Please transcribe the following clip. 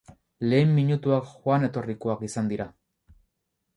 Lehen minutuak joan etorrikoak izan dira.